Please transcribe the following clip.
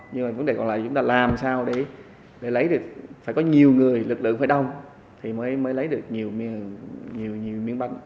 nhưng mà vấn đề còn lại là chúng ta làm sao để lấy được phải có nhiều người lực lượng phải đông thì mới lấy được nhiều miếng bánh